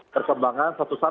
perkembangan suatu saat